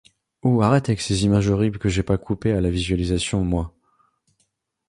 Ouh arrête avec ces images horribles que j’ai pas coupé la visualisation, moi !